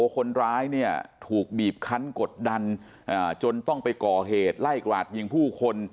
คนร้ายเนี่ยถูกบีบคันกดดันจนต้องไปก่อเหตุไล่กราดยิงผู้คน